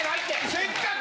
せっかく。